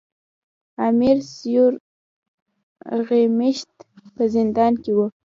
امیر سیورغتمیش په زندان کې وو.